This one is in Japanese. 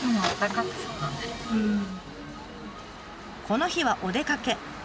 この日はお出かけ。